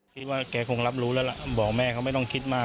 คิดว่าแกคงรับรู้แล้วล่ะบอกแม่เขาไม่ต้องคิดมาก